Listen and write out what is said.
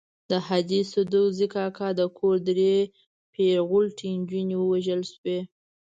د حاجي سدوزي کاکا د کور درې پېغلوټې نجونې وژل شوې.